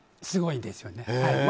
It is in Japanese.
すごいですよね。